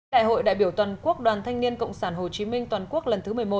đại hội đại biểu toàn quốc đoàn thanh niên cộng sản hồ chí minh toàn quốc lần thứ một mươi một